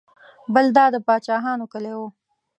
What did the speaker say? بل دا د پاچاهانو کلی و.